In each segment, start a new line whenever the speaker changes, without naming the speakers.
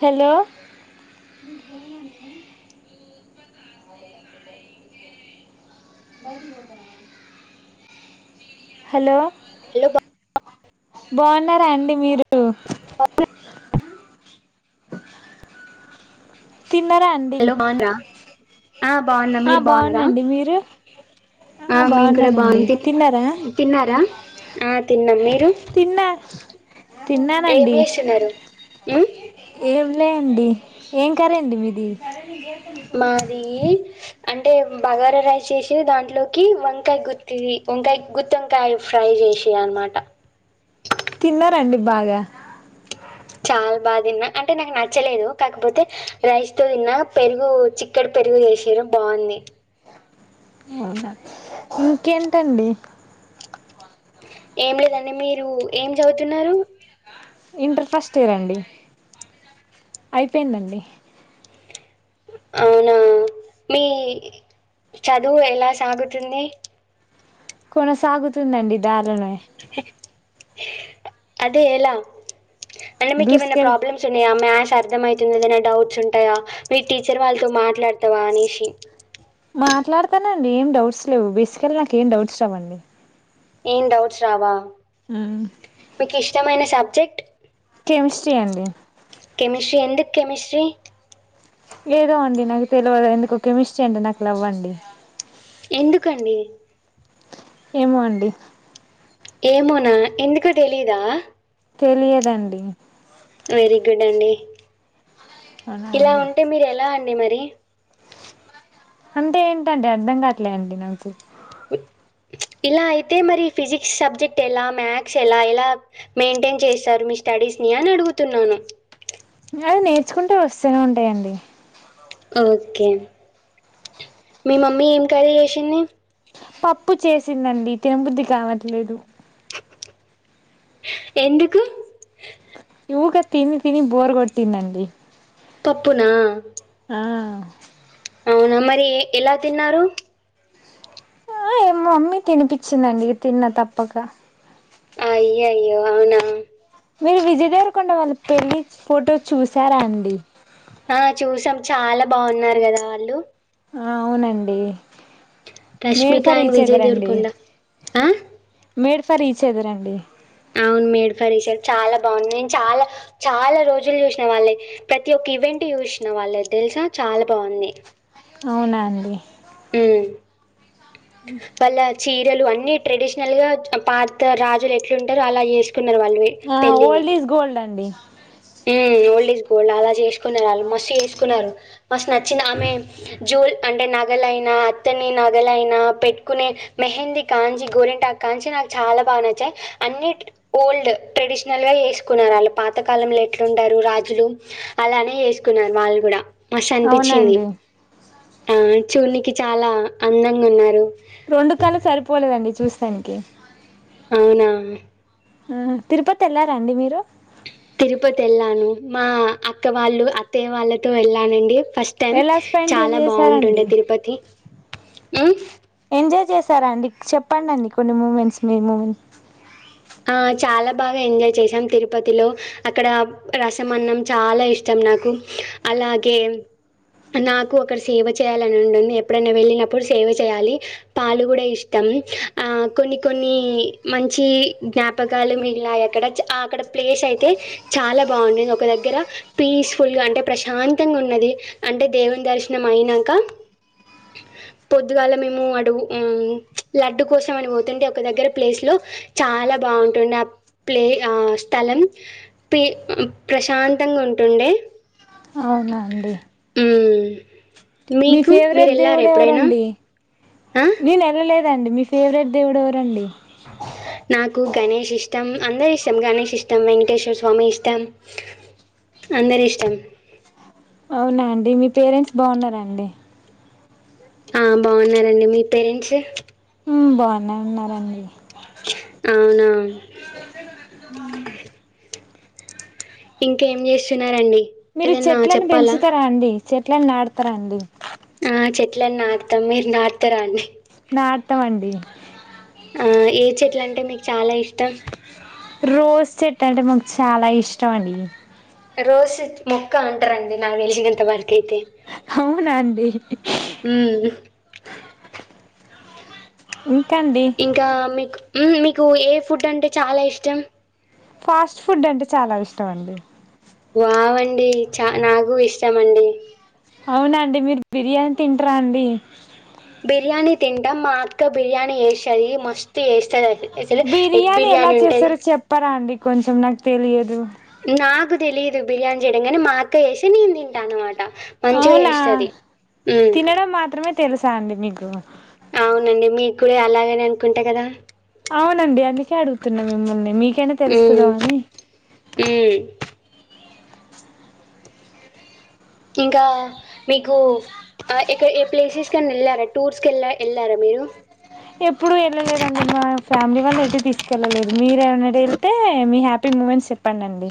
Hello మౌరి ఉండ hello
hello బా
బాగున్నారా అండి మీరు
అ
తిన్నరా అండి
హలో బాగున్నారా ఆ బాగున్నా
ఆ
మీరు బాగున్నారా
బాగుండండి మీరు అ
ఆ మేము కూడా బాగుంది తిన్నారా ఆ తిన్నాం మీరు
తిన్నా తిన్నానండి
ఈ
ఏంలే అండి ఏం కరండి మీది
మది అంటే బగారా రైస్ చేసి దాంట్లోకి వంకాయ గుత్తి వంకాయ గుత్తి వంకాయ ఫ్రై చేసి అనమాట
తిన్నారండి బాగా
చాలా బాగా తిన్నా అంటే నాకు నచ్చలేదు కాకపోతే రైస్ తో తిన్నా పెరుగు చిక్కటి పెరుగు చెసిరు బాగుంది
అవునా ఇంకేంటండి
ఏం లేదండి మీరు ఏం చదువుతున్నారు
ఇంటర్ ఫస్ట్ ఇయర్ అండి అయిపోయిందండి
అవునా మీ చదువు ఎలా సాగుతుంది
కొనసాగుతుందండి దారి తన్నాై
అదేలా అ మీ ఏమన్న
దూసుకెళ్
ప్రాబ్లమ్స్ని మ అర్థ అవుతుందిదనే డౌట్స్ ఉంటాయా మీ టీచర్ వాళ్ళతో మాట్లాడతావా అనేసి
మాట్లాడుతానండి ఏం డౌట్స్ లేవు బేసికల్ నాకు ఏం డౌట్స్ రావండి
ఏం డౌట్స్ రావా మీకు ఇష్టమైన సా చెట్
కెమిస్ట్రీ అండి
కెమిస్ట్రీ ఎందు కెమిస్ట్రీ
ఏదో అండి నాకు తెలియదు ఎందుకో కెమిస్ట్రీ అండి నాకు లవ్వండి
ఎందుకండి
ఏమో అండి
ఏమోనా ఎందుకు తెలీదా
తెలియదండి
వెరీ గుడ్ అండి
అవునా
ఇలా
అండి
ఉంటే మీరు ఎలా అంట మరి
అంటే ఏంటండి అర్థం కాట్లేండి నాంచి
ఇలా అయితే మరి ఫిజిక్స్ సబ్జెక్ట్ ఎలా మ్యాథ్స్ ఎలా ఎలా మెయింటైన్ చేస్తారు మీ స్టడీస్ ని అని అడుగుతున్నాను
అది నేర్చుకుంటే వస్తనే ఉంటయండి.
ఓకే మీ మమ్మీ ఏం కర్రీ చేసింది.
పప్పు చేసిందండి తినబుద్ది కావట్లేదు.
ఎందుకు?
ఊకే తిని తిని బోర్ కొట్టింది అండి.
పప్పునా
ఆ
అవునా మరి ఎ ఎలా తిన్నారు.
ఆ ఏ మమ్మీ తినిపించిందండి తిన్నా తప్పకా.
అయ్యోయ్యో అవునా.
మీరు విజయ్ దేవరకొండ వాళ్ళ పెళ్ళి ఫోటో చూసారా అండి.
ఆ చూసాం. చాలా బావున్నారు కదా ఆళ్ళు.
ఆ అవునండి. Made
Rashmika
for
and
each
Vijay
other అండి
దేవరకొండ ఆ
మేడ్ ఫర్ ఇచ్ అదర్ అండి.
అవును మేడ్ ఫర్ ఇచ్ అదర్ చాలా బాగుంది. నేను చాలా చాలా రోజులు చూశిన వాళ్ళయి ప్రతి ఒక్క ఈవెంట్ చూశిన వాళ్ళది తెలుసా చాలా బావుంది.
అవునా అండి.
హ్ వాళ్ళా చ్చి [unintelligible] అన్ని ట్రెడిషనల్ గా పాత రాజులు ఎట్లా ఉంటరు అలా చేసుకు కున్నరు వాళ్ళవి
ఆ
పెళ్ళిని.
ఓల్డ్ ఈజ్ గోల్డ్ అండి
హ్ ఓల్డ్ ఇస్ గోల్డ్ అలా చేసుకున్నారు వాళ్ళు. మస్త్ చేసుకున్నారు, మస్త్ నచ్చింది. ఆమె జూల్ అంటే నగలైనా అతని నగలైనా పెట్టుకునే మెహందీ కాంచి గోరింటాకు కాంచి నాకు చాలా బాగా నచ్చాయి. అన్ని ఓల్డ్ ట్రెడిషనల్గా చేసుకున్నారు వాళ్ళు పాతకాలం లె ఎట్లుంటరు రాజులు అలానే ఏసుకున్నారు వాళ్ళు కూడా. మస్త్ అనిపించింది.
అవునండి
ఆ చూన్నికి చాలా అందంగా ఉన్నారు.
రొండు కళ్ళు సరిపోలేదండి చూస్ థ్యాంక్యూ
అవునా.
ఆ తిరుపతి వెళ్లారాండి మీరు.
తిరుపతి ఎళ్ళాను. మా అక్కవాళ్ళు అత్తయ వాళ్ళతో వెళ్ళానండి. ఫస్ట్ టైం
ఎలా స్పెండ్
చాలా
చేసారండి
బావుంటుండే తిరుపతి. హ్
ఎంజాయ్ చేశారా అండి? చెప్పండి అండి కొన్ని మూమెంట్స్ మీ మూమెం
ఆ చాలా బాగా ఎంజాయ్ చేసాం తిరుపతిలో. అక్కడ రసం అన్నం చాలా ఇష్టం నాకు, అలాగే నాకు అక్కడ సేవ చేయాలని ఉంటుంది. ఎప్పుడైనా వెళ్ళినప్పుడు సేవ చేయాలి. పాలు కూడా ఇష్టం. ఆ కొన్ని కొన్ని మంచి జ్ఞాపకాలు మిగిలాయి అక్కడ. అక్కడ ప్లేస్ అయితే చాలా బావుంటుంది. ఒక దగ్గర పీస్ఫుల్గా అంటే ప్రశాంతంగా ఉన్నది. అంటే దేవుని దర్శనం అయినంకా పొద్దుగాల మేము అటు హ్ ఛ లడ్డు కోసం అని పోతుంటే ఒక దగ్గర ప్లేస్ లో చాలా బావుంటుండే ఆ ప్లే ఆ స్థలం పీ హుహ్ ప్రశాంతంగా ఉంటుండే.
అవునా అండి.
హ్
మీ ఫేవరెట్ దేవుడు ఎవరండి?
ఆ
నేను ఎళ్ళలేదు. అండి మీ ఫేవరెట్ దేవుడు ఎవరండి
నాకు గణేష్ ఇష్టం అందరిష్టం గణేష్ ఇష్టం వెంకటేశ్వర స్వామి ఇష్టం అందరిష్టం
అవునా అండి మీ పేరెంట్స్ బాగున్నార అండి
ఆ బాగున్నారండి మీ పేరెంట్స్
మ్మ్ బానే ఉన్నారండి
అవునా ఇంకేం చేస్తున్నారండి
మీరు
ఏదన్నా
చెట్లను
చెప్పాలా
పెంచుతరా అండి చెట్లని నాటు టుతరండీ
ట్లను నాటుతాం మీరు నాటుతరా అండి
నాటుతమండి
ఆ ఏ చెట్లు అంటే మీకు చాలా ఇష్టం
రోజు చెట్టంటే మాకు చాలా ఇష్టం అండి
రోస్ ముొక్క అంటారండీ నాకు తెలిసినంతవరకు అయితే
అవునా అండి
ఉమ్
ఉ
ఇంకా మీకు మీకు ఏ ఫుడ్ అంటే చాలా ఇష్టం
ఫాస్ట్ ఫుడ్ అంటే చాలా ఇష్టం అండి
వావ్ అండి నాకు చాలా ఇష్టం అండి
అవునా అండి మీరు బిర్యానీ తింటరా అండి
బిర్యానీ తింటాం మా అక్క బిర్యానీ చేస్తది మస్తు చేస్తది అసలు ఎగ్
బిర్యానీ ఎలా
ఉంటది
చేస్తారో చెప్పారా అండి కొంచెం నాకు తెలియదు
ఇ బిర్యానీ చేయడం కానీ మా అక్క చేేస్తే నేను తింటా అనమాట
అవునా తినడం మాత్రమే తెలుసా అండి మీకు దొ
నండి మీక్కుడా అలాగనే అనుకుంటా కదా
అవునండి అందుకే అడుగుతున్నా మిమ్మల్ని మీకైనా తెలుస్తదా అని
మ్మ్ ఇంకా మీకు ఎక్కడ ఏ ప్లేసెస్ కన్నా వెళ్ళారా టూర్స్కి వెళ్ళా వెళ్ళారా మీరు
ఎప్పుడుూ ఎళ్ళలేదండి మా ఫ్యామిలీ వాళ్ళు ఎటు తీసుకెళ్ళలేదు మీరేమైనా వెళ్తే మీ హ్యాపీ మూమెంట్స్ చెప్పండండి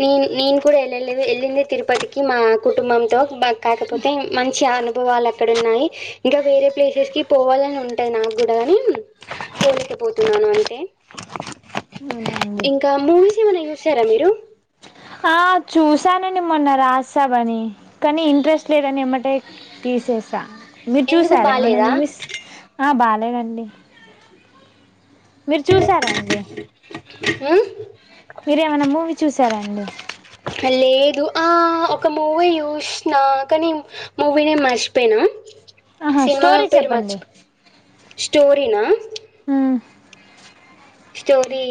నే నేను కూడా ఎళ్ళలేదు ఎళ్ళింది తిరుపతికి మా కుటుంబంతో మా కాకపోతే మంచి అనుభవాలు అక్కడ ఉన్నాయి ఇంకా వేరే ప్లేసెస్ కి పోవాలని ఉంటాది నాకు కూడాగాని పోలేకపోతున్నాను అంటే
అవునా అండి
ఇంకా మూవీస్ ఏమన్నా చూస్ చూస్తారా మీరు
ఆ చూసానండి మొన్న రాజాసబని కానీ ఇంట్రెస్ట్ లేదని ఏంబటే తీసేస మీరు
ఎందుకు
చూసారా ఏమన్నా
బాలేదా
మువీస్ ఆ బాగా ఏమండి మీరు చూసారాండి
ఉ
మీరు ఏమన్న మూవీ చూసా సరే అండి
లేదు ఆ ఒక మూవీ చూసినా కానీ మూవీ నే మర్చిపోయినా
ఆహా స్టోరీ చెప్పండి
స్టోరినా
ఉ
స్టోరీ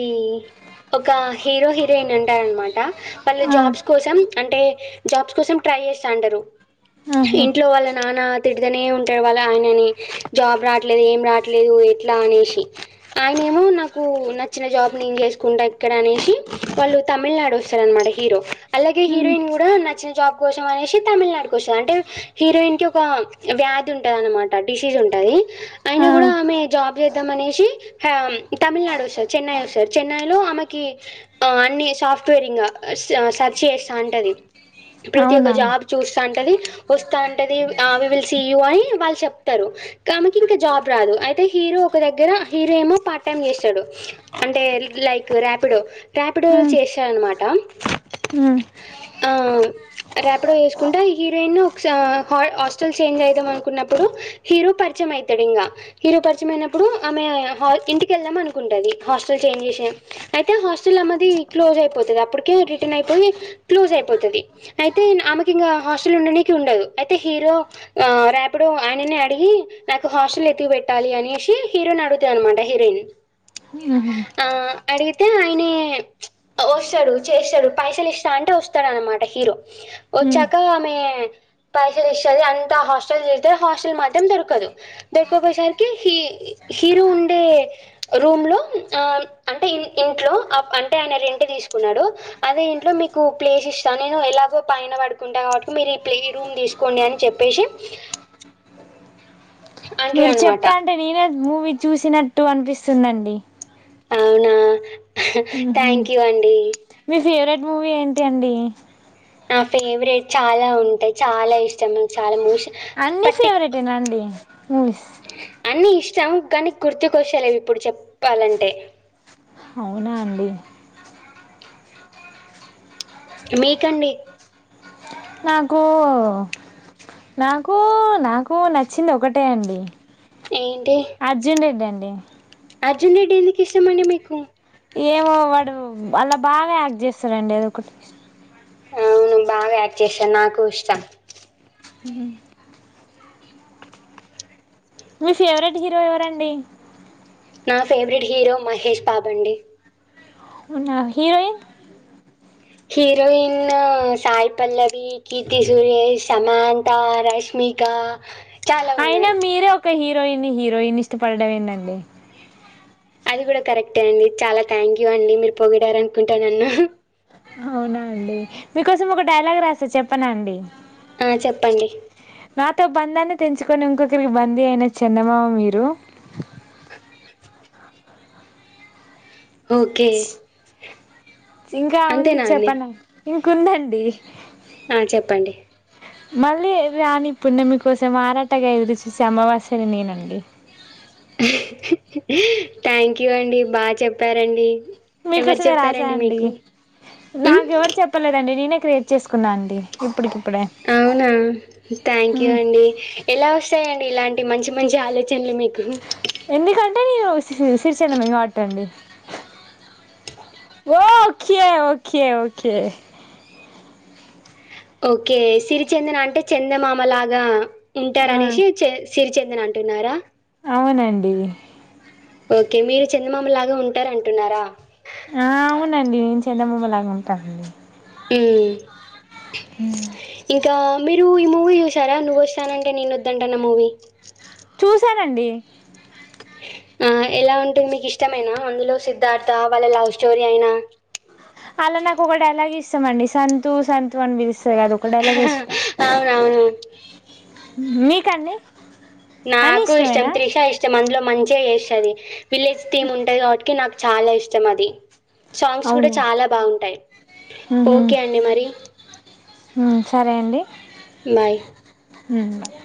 ఒక హీరో హీరోయిన్ అంటారన్నమాట వాళ్ళు
ఆ
జాబ్స్ కోసం అంటే జాబ్స్ కోసం ట్రై చేస్తాంటారు
ఆహా
ఇంట్లో వాళ్ళ నాన్న తిడుతనే ఉంటాడు వాళ్ళు ఆయనని జాబ్ రావట్లేదు ఏం రావట్లేదు ఎట్లా అనేసి ఆయన ఏమో నాకు నచ్చిన జాబ్ నేను చేసుకుంటా అక్కడ అనేసి వాళ్ళు తమిళనాడు వస్తారనమాట హీరో అలాగే
ఉమ్
హీరోయిన్ కూడా నచ్చిన జాబ్ కోసం అనేసి తమిళనాడుకి వస్తాది అంటే హీరోయిన్ కి ఒక వ్యాధి ఉంటది అనమాట డిసీజ్ ఉంటాది అయిన
ఆ
కూడా ఆమె జాబ్ చేత్ అనేసి హమ్ తమిళనాడు వస్తావ్ చెన్నై వస్సవ్ చెన్నైలో ఆమెకి అన్ని సాప్ట్వేరింగ్ సర్చ్ చేస్తా ఉంటది ప్రతి ఒక్క
అవునా
జాబ్ చూస్తాంటాది వస్తాంటాది ఆ విల్ సీ యూ ఐ వాళ్ళు చెప్తారు ఆమెకి ఇంకా జాబ్ రాదు అయితే హీరో ఒక దగ్గర హీరో ఏమో పా పార్ట్ టైమ్ చేస్తాడు అంటే లైక్ ర్యాపిడొ రాపిడో
ఉమ్
చేశార అనమాట ఆ
ఉమ్
ఆ రాపిడో చేసుకుంటా ఈ హీరోయిన్ ఒక హాస్టల్ చేంజ్ అయిదాం అనుకున్నప్పుడు హీరో పరిచయం అయితాడు ఇంకా హీరో పరిచయం అయినప్పుడు ఆమె ఇంటి వెళ్దాం అనుకుంటది హాస్టల్ చేంజ్ చేసి అయితే హాస్టల్ అనేది క్లోజ్ అయిపోతాది అప్పటికే రిటర్న్ అయిపోయి క్లోజ్ అయిపోతుది అయితే ఆమెకి ఇంకా హాస్టల్ ఉండడానికి ఉండదు అయితే హీరో ఆ రాపిడో ఆయననే అడిగి నాకు హాస్టల్ ఎతికి పెట్టాలి అనేసి హీరోని అడుగుతాది అనమాట హీరోయిన్
ఉహు
ఆ! అడిగితే ఆయనే వస్తాడు చేస్తాడు పైసలు ఇస్తా అంటే వస్తాడు అనమాట హీరో
ఉమ్
వచ్చాక ఆమె పైసలు ఇస్తాది అంత హాస్టల్ చేరితే హాస్టల్ మాత్రం దొరకదు దొరకపోయేసరికి హీ హీరో ఉండే రూమ్ లో ఆ అంటే ఇంట్లో అంటే ఆయన రెంట్ తీసుకున్నాడు అదే ఇంట్లో మీకు ప్లేస్ ఇస్తాను నేను ఎలాగో పైన పడుకుంటాను కాబట్టి మీరు ఈ ప్లే రూమ్ తీసుకోండి అని చెప్పేసి
మీరు
అంటాడనమాట.
చెప్తా అంటే నేనేమ్ మూవీ చూసినట్టు అనిపిస్తుందండి
అవునా
ఉహు
థ్యాంక్ యూ అండి
మీ ఫేవరెట్ మూవీ ఏంటి అండి
నా ఫేవరెట్ చాలా ఉంటాయి చాలా ఇష్టం చాలా మూవీస్
అన్ని
పట్టి
ఫేవరెటే నా అండి
చము కానీ గుర్తుకోస్తాలేవ్ ఇప్పుడు చెప్పాలంటే
అవునా అండి
మీకండి
నాకు ఊ నాకు నాకు నచ్చింది ఒకటే అండి
ఏంటి
అర్జున్ రెడ్డి అండ్ యే
అర్జున్ రెడ్డి ఎందుకు ఇష్టమండి మీకు
ఏమో వాడు వాలా బాగా యాక్ట్ చేస్తారండి ఏదో ఒకటి
అవును బాగా యాక్ట్ చేశాన్ నాకు ఇష్టం
మీ ఫేవరెట్ హీరో ఎవరండి
నా ఫేవరెట్ హీరో మహేష్ బాబు అండి
ఉన్న హీరోయిన్
హీరోయిను సాయి పల్లవి కీర్తి సురేష్ సమాంత రష్మిక చాలా
అయినా
ఉన్నారు
మీరే ఒక హీర్ హీరోయిని హీరోయిని ఇష్ట పడడమ్ ఎందండి
అది కూడా కరెక్టే అండి చాలా థ్యాంక్ యూ అండి మీర్ పొగిడారు అనుకుంటా నన్ను
అవునా అండి మీకోసం ఒక డైలాగ్ రాసా చెప్పనా అండి
ఆ చెప్పండి
తో బంధాన్ని తెంచుకొని ఇంకొకరికి బందీ అయిన చందమామ మీరు
ఓకే
ఇంకా ఉంది
అంతేనా అండి
చెప్పన ఇంక్ ఉందండీ
ఆ చెప్పండి
మళ్ళీ రాని పుణమి కోసం ఆరాటగ ఎదురూ చూసే అమావాస్య ను నేనండి
హా హి హి హి థ్యాంక్ యూ అండి బా చెప్పారండి ఎవరు
మీకోసమే రాసా
చెప్పారండి
అండి
మీకు ఉమ్,
నాకు ఎవరు చెప్పలేదండి నేనే క్రియేట్ చేసుకున్నా అండి ఇపుట్ కి ఇప్
అవునా థ్యాంక్ యూ
మ్మ్.
అండి ఎలా వస్తాయం ఇలాంటి మంచి మంచి ఆలోచనలు మీకు
ఎందుకంటే నేను స్ సిర్ సిర్ సైలంమే [unintelligible] గబట్టి అండి
[inaudible]
okay okay okay
okay Sirichandana అంటే చందమామ లాగా ఉంటారు
ఆ,
అనేసి చేస్ సిరిచందన అంటున్నారా
అవునండి
ఓకే మీరు చందమామ లాగా ఉంటార్ అంటున్నారా
హా అవునండి నేను చందమామ లాగా ఉంటా అండి
ఊ ఇంకా మీరు ఈ మూవీ చూసారా నువ్ వస్తానంటే నేను వద్దంటనా మూవీ
చూశానండి
ఆ ఎలా ఉంటుంది మీకు ఇష్టమేనా అందులో సిద్ధార్థ వాళ్ళ లవ్ స్టోరీ అయి
అలా నాకు ఒకటి డైలాగ్ ఇష్ ష్టం అండి సంతు సంతు అని పిలుస్ స్తది గా అది ఒక డైలాగే ఇష్టం
అవునవును.
మీకండి అని
నాకు ఇష్టం
ఇష్టమేనా
త్రిష ఇష్టం అందులో మం చిగా చేస్తది విలేజ్ టీమ్ ఉంటాది కాబట్టికే నాక్ చాలా ఇష్టం అది సాంగ్స్ కూడా
అవునా
చాలా బాగుంటాయి
మ్మ్.
ఓకే అండి మరి
ఉమ్, సరే
బాయ్
హు బాయ్